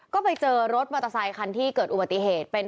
ก็ไปเจอรถมอเตอร์ไซคันที่เกิดอุบัติเหตุเป็น